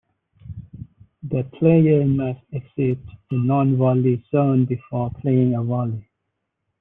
The player must exit the non-volley zone before playing a volley.